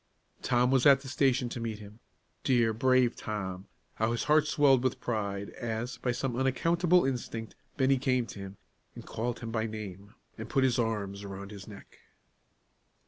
Tom was at the station to meet him. Dear, brave Tom, how his heart swelled with pride, as, by some unaccountable instinct, Bennie came to him, and called him by name, and put his arms around his neck.